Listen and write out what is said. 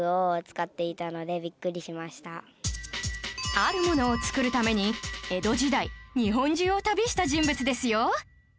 あるものを作るために江戸時代日本中を旅した人物ですよ